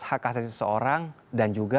hak asasi seseorang dan juga